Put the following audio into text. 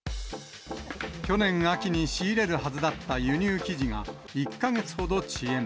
去年秋に仕入れるはずだった輸入生地が１か月ほど遅延。